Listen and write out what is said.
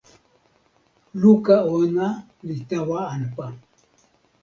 luka ona li tawa anpa.